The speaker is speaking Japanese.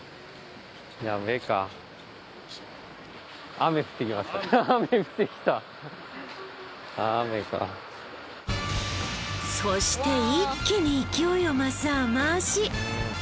雨降ってきたそして一気に勢いを増す雨脚